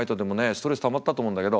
ストレスたまったと思うんだけど。